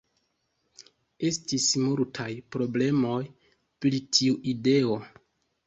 Estis multaj problemoj pri tiu ideo.